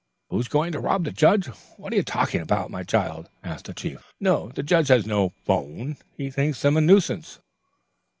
"Who's going to rob the judge? What are you talking about, my child?" asked the chief. "No, the judge has no 'phone. He thinks them a nuisance."